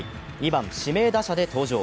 ２番・指名打者で登場。